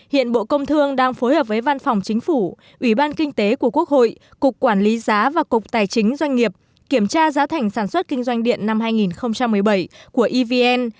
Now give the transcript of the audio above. hiện bộ công thương đang phối hợp với văn phòng chính phủ ủy ban kinh tế của quốc hội cục quản lý giá và cục tài chính doanh nghiệp kiểm tra giá thành sản xuất kinh doanh điện năm hai nghìn một mươi bảy của evn